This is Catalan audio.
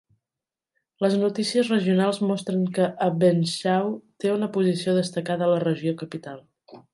Les notícies regionals mostren que "Abendschau" té una posició destacada a la regió capital.